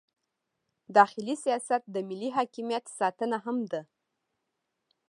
داخلي سیاست د ملي حاکمیت ساتنه هم ده.